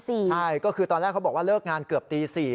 ใช่ก็คือตอนแรกเขาบอกว่าเลิกงานเกือบตี๔